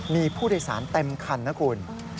มีผู้โดยสารเต็มคันนะคุณ